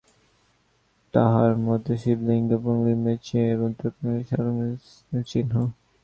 তাঁহার মতে শিবলিঙ্গ পুংলিঙ্গের চিহ্ন এবং তদ্বৎ শালগ্রাম-শিলা স্ত্রীলিঙ্গের চিহ্ন।